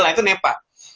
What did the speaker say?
nah itu nepa